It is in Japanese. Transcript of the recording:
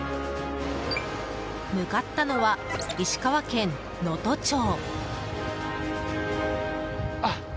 向かったのは石川県能登町。